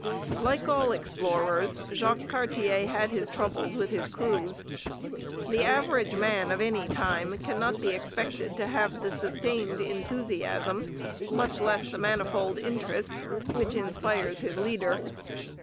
Like all the explorers, Jacques Cartier had his troubles with his crews. The average man of any time cannot be expected to have the sustained enthusiasm, much less the manifold interest, which inspires his leader.